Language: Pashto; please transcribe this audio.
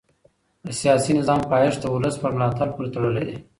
د سياسي نظام پايښت د ولس پر ملاتړ پوري تړلی دی.